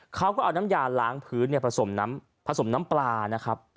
เขาก็เอาน้ำยาล้างพื้นผสมผสมน้ำปลานะครับ